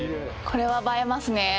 これは映えますね。